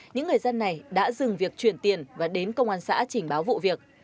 những người dân này đã dừng việc chuyển tiền và đến công an xã trình báo vụ việc